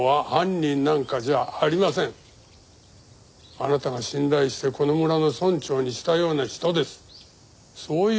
あなたが信頼してこの村の村長にしたような人です。